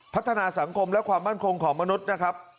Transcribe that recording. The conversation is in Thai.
พัฒนาสังคมและความมั่นคงของมนุษย์นะครับ